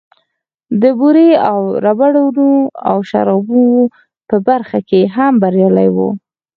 د بورې او ربړونو او شرابو په برخه کې هم بريالی و.